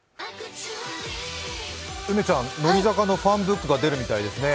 梅ちゃん、乃木坂のファンブックが出るみたいですね。